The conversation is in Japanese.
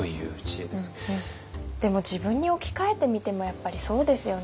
でも自分に置き換えてみてもやっぱりそうですよね。